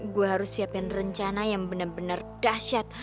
gue harus siapin rencana yang bener bener dahsyat